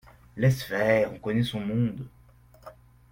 Laisse faire, on connaît son monde…